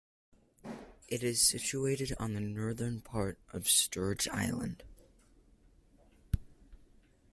It is situated on the northern part of Sturge Island.